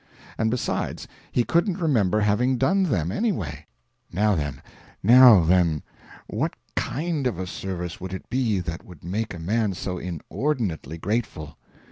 And besides, he couldn't remember having done them, anyway. Now, then now, then what KIND of a service would it be that would make a man so inordinately grateful?